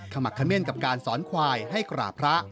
มักเขม่นกับการสอนควายให้กราบพระ